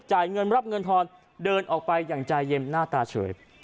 เงินรับเงินทอนเดินออกไปอย่างใจเย็นหน้าตาเฉย